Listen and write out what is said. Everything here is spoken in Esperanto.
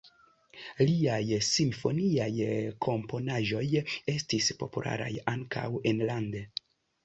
Liaj simfoniaj komponaĵoj estis popularaj ankaŭ enlande.